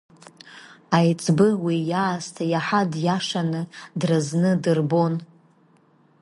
Аиҵбы уи иаасҭа иаҳа диашаны, дразны дырбон.